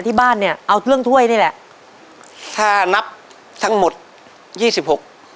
ที่บ้านเนี้ยเอาเครื่องถ้วยนี่แหละถ้านับทั้งหมดยี่สิบหก